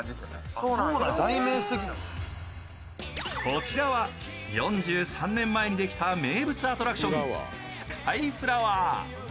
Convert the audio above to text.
こちらは４３年前にできた名物アトラクションスカイフラワー。